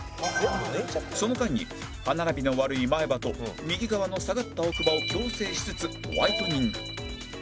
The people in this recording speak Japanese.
その間に歯並びの悪い前歯と右側の下がった奥歯を矯正しつつホワイトニング